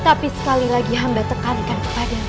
tapi sekali lagi hamba tekankan kepadamu